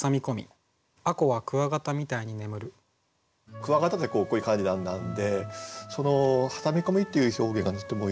クワガタってこういう感じなんで「挟み込み」っていう表現がとてもいいですよね。